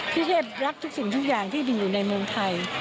พี่เทพรักทุกสิ่งทุกอย่างที่อยู่ในมุมไทย